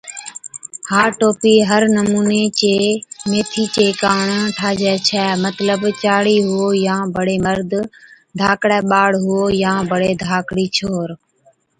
ھا ٽوپِي ھر نمُوني چِي ميٿِي چي ڪاڻ ٺاھجَي ڇَي مطلب چاڙي هُوئو يان بڙي مرد، ڌاڪڙَي ٻاڙ هُوئو يان بڙي ڌاڪڙِي ڇوهر